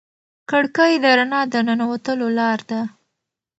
کړکۍ د رڼا د ننوتلو لار ده.